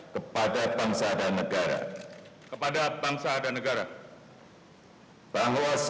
kepada bangsa dan negara